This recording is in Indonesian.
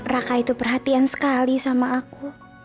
raka itu perhatian sekali sama aku